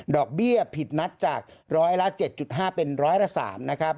เบี้ยผิดนัดจากร้อยละ๗๕เป็นร้อยละ๓นะครับ